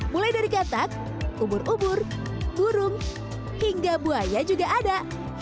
mulai dari katak ubur ubur burung hingga buaya juga ada